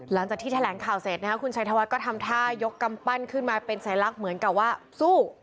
หลังจากที่แถลงข่าวเสร็จนะครับคุณชัยธวัฒน์ก็ทำท่ายกกำปั้นขึ้นมาเป็นสัญลักษณ์เหมือนกับว่าสู้